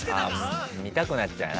見たくなっちゃうな。